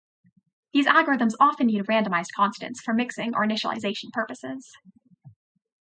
These algorithms often need randomized constants for mixing or initialization purposes.